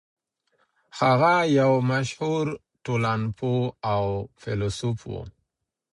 هغه يو مشهور ټولنپوه او فيلسوف و.